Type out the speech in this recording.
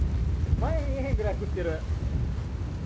前見えへんぐらい降ってる！